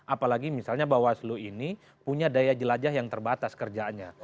apalagi misalnya bawaslu ini punya daya jelajah yang terbatas kerjanya